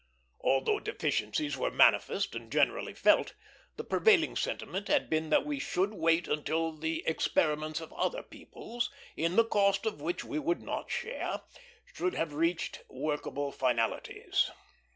Although deficiencies were manifest and generally felt, the prevailing sentiment had been that we should wait until the experiments of other peoples, in the cost of which we would not share, should have reached workable finalities.